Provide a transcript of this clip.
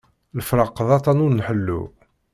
Lefraq d aṭan ur nḥellu